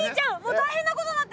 大変なことになってる！